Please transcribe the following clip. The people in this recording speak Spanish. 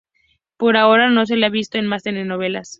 Por ahora no se la ha visto en más telenovelas.